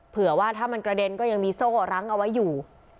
เผื่อว่าถ้ามันกระเด็นก็ยังมีโซ่รั้งเอาไว้อยู่